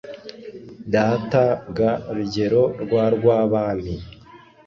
data ga rugero rw’arwabami